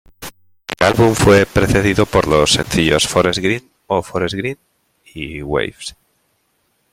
El álbum fue precedido por los sencillos "Forest Green, Oh Forest Green" y "Waves".